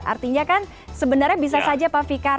artinya kan sebenarnya bisa saja pak fikar